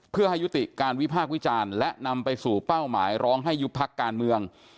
เพื่อให้ยุติการวิพากษ์วิจารณ์และนำไปสู่เป้าหมายร้องให้ยุบพักการเมือง